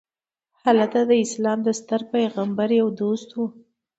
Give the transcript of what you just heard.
هلته د اسلام د ستر پیغمبر یو دوست و.